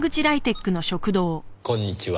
こんにちは。